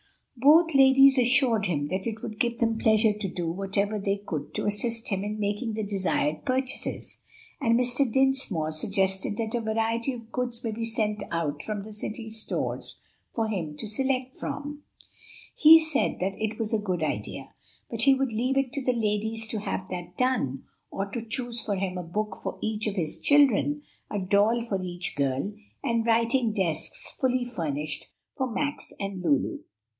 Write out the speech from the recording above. Both ladies assured him that it would give them pleasure to do whatever they could to assist him in making the desired purchases, and Mr. Dinsmore suggested that a variety of goods might be sent out from the city stores for him to select from. He said that was a good idea, but he would leave it to the ladies to have that done, or to choose for him a book for each of his children, a doll for each girl, and writing desks, fully furnished, for Max and Lulu.